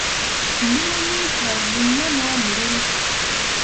Ndi munyiikaavu nnyo n'omulimu.